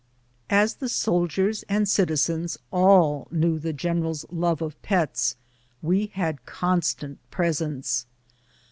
As the soldiers and citizens all knew the general's love of pets, we had constant presents.